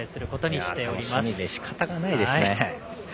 楽しみでしかたがないですね。